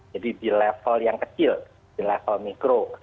jadi di level yang kecil di level mikro